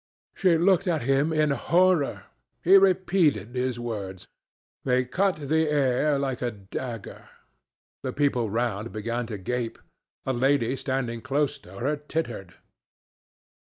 She looked at him in horror. He repeated his words. They cut the air like a dagger. The people round began to gape. A lady standing close to her tittered.